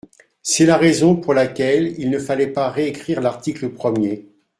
C’est la raison pour laquelle il ne fallait pas réécrire l’article premier.